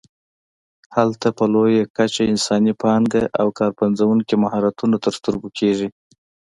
هلته په لویه کچه انساني پانګه او کار پنځوونکي مهارتونه تر سترګو کېږي.